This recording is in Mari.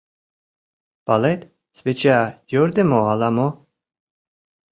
— Палет, свеча йӧрдымӧ ала-мо...